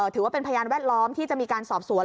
ถือว่าเป็นพยานแวดล้อมที่จะมีการสอบสวน